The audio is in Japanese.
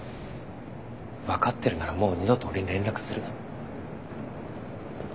分かってるならもう二度と俺に連絡するな。